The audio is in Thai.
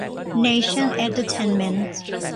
เนชั่น เอ็ดดูเทนเมนท์